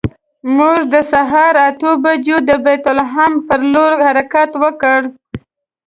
موږ د سهار اتو بجو د بیت لحم پر لور حرکت وکړ.